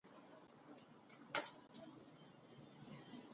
ننګرهار د افغانستان د زرغونتیا نښه ده.